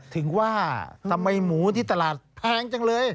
ถึงว่าทำไมหมูที่ตลาดแพงจังเลย